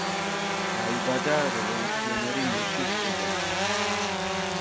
დაიბადა რევოლუციონერი მუშის ოჯახში.